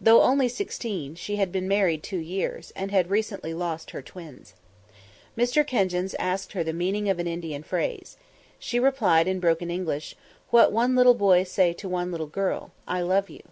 Though only sixteen, she had been married two years, and had recently lost her twins. Mr. Kenjins asked her the meaning of an Indian phrase. She replied in broken English, "What one little boy say to one little girl: I love you."